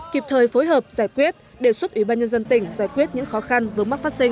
kịp thời phối hợp giải quyết đề xuất ủy ban nhân dân tỉnh giải quyết những khó khăn vướng mắc phát sinh